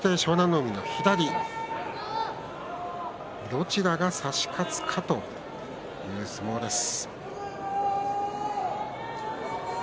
海の左どちらが差し勝つかという相撲です。